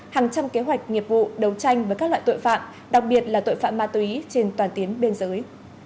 hàng trăm kế hoạch nghiệp vụ đấu tranh với các loại tội phạm đặc biệt là tội phạm ma túy trên toàn tiến biên giới